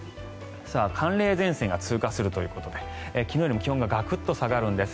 寒冷前線が通過するということで昨日よりも気温がガクッと下がるんです。